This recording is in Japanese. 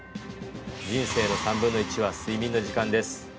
人生の３分の１は睡眠の時間です。